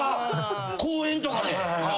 公園とかで。